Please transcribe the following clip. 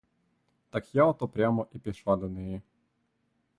Так я ото прямо і пішла до неї.